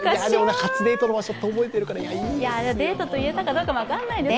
初デートの場所って覚えているから、いいですよ。